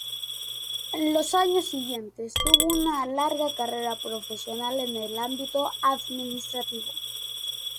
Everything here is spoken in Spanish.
En los años siguientes tuvo una larga carrera profesional en el ámbito administrativo.